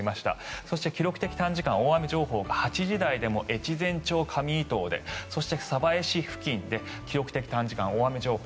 そして記録的短時間大雨情報が８時台でも越前町上糸生でそして、鯖江市付近で記録的短時間大雨情報。